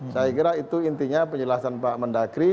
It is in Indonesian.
saya kira itu intinya penjelasan pak mendagri